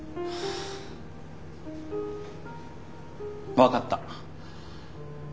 分かった。